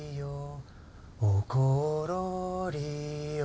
「おころりよ」